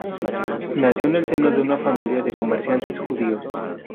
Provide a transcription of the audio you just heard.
Nació en el seno de una familia de comerciantes judíos.